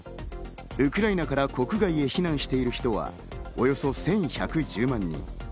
ウクライナから国外へ避難している人はおよそ１１１０万人。